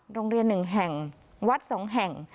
โรงเรียน๑แห่งวัด๒แห่ง